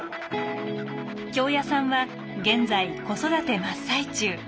京谷さんは現在子育て真っ最中。